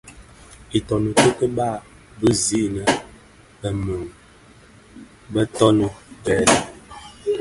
Itōnen kii keba bi zi innë bë-mun bë toni gènë.